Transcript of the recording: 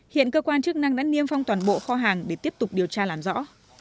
hiện cơ quan chức năng đã niêm phong toàn bộ kho hàng để tiếp tục điều tra làm rõ